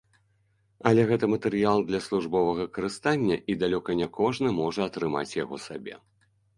Але гэта матэрыял для службовага карыстання і далёка не кожны можа атрымаць яго сабе.